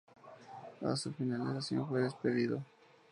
A su finalización fue despedido.